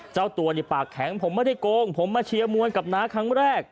เจ้าตัวเนี่ยปากแข็งผมไม่ได้โกงผมมาเชียร์มวลกับน้าครั้งแรก